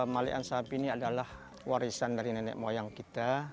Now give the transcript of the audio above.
malean sampi ini adalah warisan dari nenek moyang kita